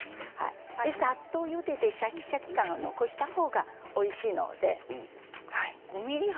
さっとゆでてシャキシャキ感を残したほうが、おいしいので。